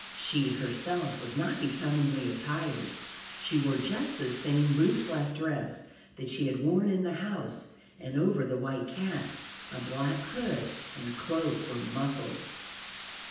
She herself was not becomingly attired; she wore just the same loose black dress that she had worn in the house, and over the white cap a black hood and cloak were muffled.